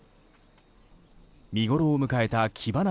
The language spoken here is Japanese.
見ごろを迎えたキバナ